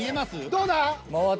どうだ？